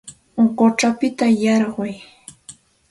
Quchapita yarquy